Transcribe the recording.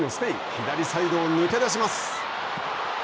左サイドを抜け出します。